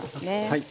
はい。